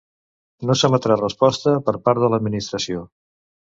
No s'emetrà resposta per part de l'Administració.